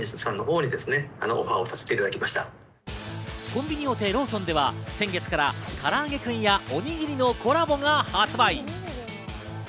コンビニ大手ローソンでは先月から、からあげクンやおにぎりのコラボが発売。